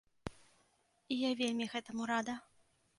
І я вельмі гэтаму рада.